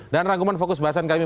dan rangguman fokus bahasan kami